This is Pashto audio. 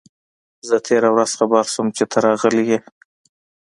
زه تېره ورځ خبر شوم چي ته راغلی یې.